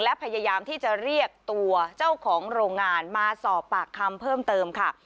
และพยายามที่จะเรียกตัวเจ้าของโรงงานมาสอบปากคำเพิ่มเติมค่ะ